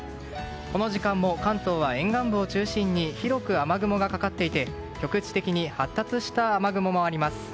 この時間も関東は沿岸部を中心に広く雨雲がかかっていて局地的に発達した雨雲もあります。